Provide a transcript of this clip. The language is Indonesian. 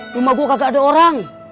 rumah gua kagak ada orang